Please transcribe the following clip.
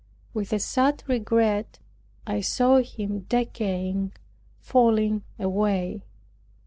With a sad regret I saw him decaying, falling away.